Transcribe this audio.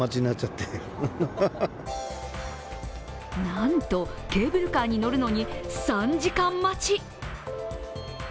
なんとケーブルカーに乗るのに３時間待ち。